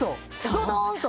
ドドーンと！